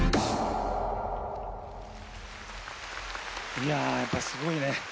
いややっぱすごいね。